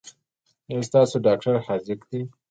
ایا ستاسو ډاکټر حاذق دی؟